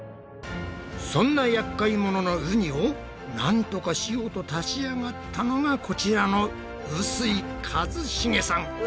そんなやっかいもののウニをなんとかしようと立ち上がったのがこちらの臼井一茂さん。